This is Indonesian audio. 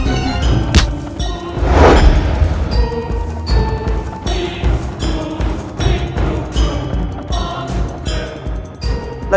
aku mau mencari lo